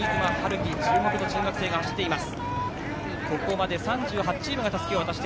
己、注目の中学生が走っています。